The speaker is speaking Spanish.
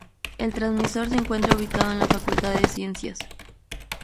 El transmisor se encuentra ubicado en la Facultad de Ciencias.